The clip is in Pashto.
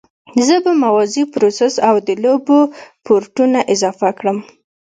زه به موازي پروسس او د لوبو پورټونه اضافه کړم